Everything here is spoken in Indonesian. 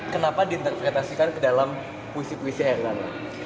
kenapa diinterpretasikan ke dalam puisi puisi hairil anwar